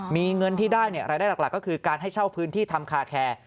มีเงินที่ได้รายได้หลักก็คือการให้เช่าพื้นที่ทำคาแคร์